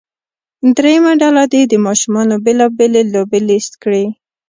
دریمه ډله دې د ماشومانو بیلا بېلې لوبې لیست کړي.